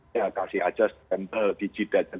ya kasih aja stempel dijidat gubernur